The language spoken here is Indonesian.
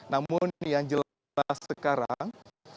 namun yang jelas sekarang